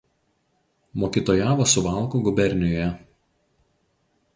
Mokytojavo Suvalkų gubernijoje.